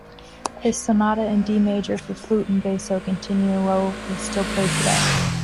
His sonata in D major for flute and basso continuo is still played today.